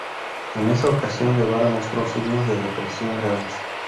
En esa ocasión Guevara mostró signos de depresión graves.